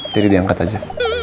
jadi diangkat aja